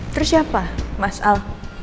terus siapa mas al